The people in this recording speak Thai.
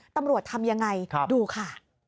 ตำรวจทำอย่างไรดูค่ะค่ะดูค่ะ